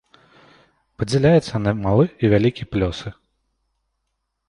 Падзяляецца на малы і вялікі плёсы.